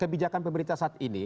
kebijakan pemerintah saat ini